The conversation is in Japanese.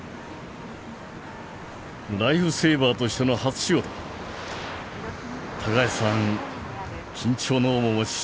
ライフセーバーとしての初仕事。